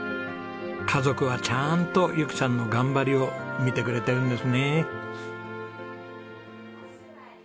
家族はちゃんと由紀さんの頑張りを見てくれてるんですね。